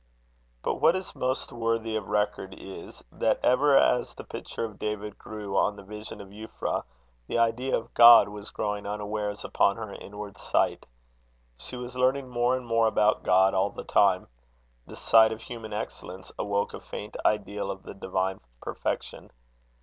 But what is most worthy of record is, that ever as the picture of David grew on the vision of Euphra, the idea of God was growing unawares upon her inward sight. She was learning more and more about God all the time. The sight of human excellence awoke a faint Ideal of the divine perfection.